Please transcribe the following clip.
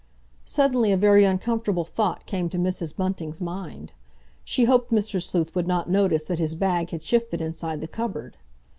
Suddenly a very uncomfortable thought came to Mrs. Bunting's mind. She hoped Mr. Sleuth would not notice that his bag had shifted inside the cupboard.